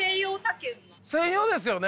専用ですよね？